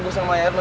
se rasa di rumah